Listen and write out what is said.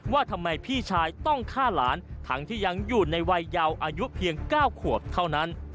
ว่าทำไมพี่ชายต้องฆ่าหลานทั้งที่ยังอยู่ในวัยยาวอายุเพียง๙ขวบเท่านั้น